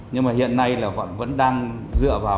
nhưng mà hiện nay là vẫn đang dựa vào